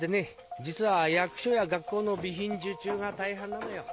実は役所や学校の備品受注が大半なのよ